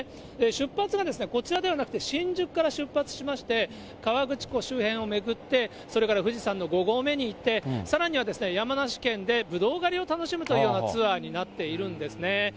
出発が、こちらではなくて、新宿から出発しまして、河口湖周辺を巡って、それから富士山の５合目に行って、さらには山梨県でぶどう狩りを楽しむというようなツアーになっているんですね。